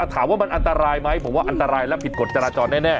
ถามว่ามันอันตรายไหมผมว่าอันตรายและผิดกฎจราจรแน่